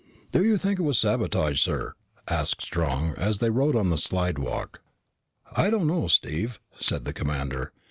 "Do you think it was sabotage, sir?" asked Strong, as they rode on the slidewalk. "I don't know, Steve," said the commander.